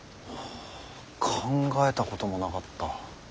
考えたこともなかった。